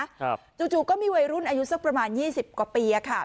จู่จู่ก็มีวัยรุ่นอายุสักประมาณยี่สิบกว่าปีอ่ะค่ะ